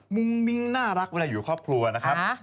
มุ้งมิ้งน่ารักเวลาอยู่ครอบครัวนะครับ